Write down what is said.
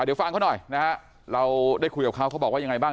เดี๋ยวฟังเขาหน่อยนะฮะเราได้คุยกับเขาเขาบอกว่ายังไงบ้าง